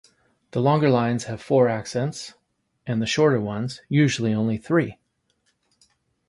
The longer lines have four accents and the shorter ones usually only three.